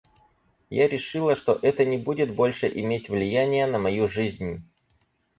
Я решила, что это не будет больше иметь влияния на мою жизнь.